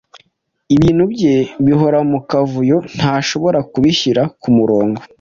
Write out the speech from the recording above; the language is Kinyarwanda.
ibintu bye bihora mu kavuyo ntashobora kubishyira ku murongo.